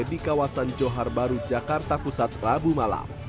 di kawasan johar baru jakarta pusat rabu malam